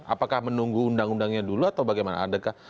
apakah menunggu undang undangnya dulu atau bagaimana